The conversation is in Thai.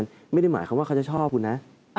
ที่อยู่ในงานไม่ได้หมายครับว่าเขาจะชอบคุณนะ